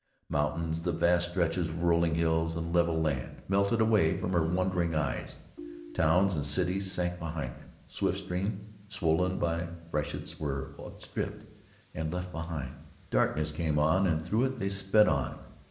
Mountains and vast stretches of rolling hills and level land melted away from her wondering eyes; towns and cities sank behind them, swift streams swollen by freshets were outstripped and left behind, darkness came on and, through it, they still sped on.